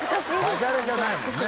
ダジャレじゃないもんね。